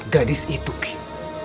gadis itu kim